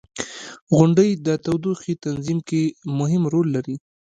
• غونډۍ د تودوخې تنظیم کې مهم رول لري.